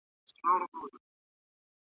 زده کړه مذهبي بڼه لرله.